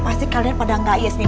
pasti kalian pada gak yes nih